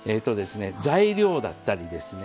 材料だったりですね